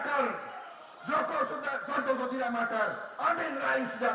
kita memberan negara dan bangsa indonesia